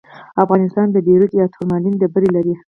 افغانستان د بیروج یا تورمالین ډبرې لري.